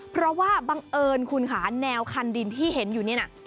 เพราะว่าบังเอิญคุณค่ะแนวคันดินที่เห็นอยู่นี่น่ะ